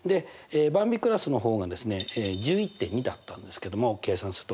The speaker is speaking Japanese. ばんびクラスの方がですね１１．２だったんですけども計算すると。